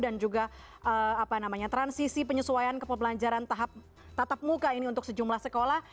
dan juga transisi penyesuaian ke pembelajaran tatap muka ini untuk sejumlah sekolah